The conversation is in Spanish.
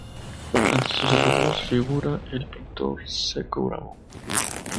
Entre sus alumnos figura el pintor Cecco Bravo.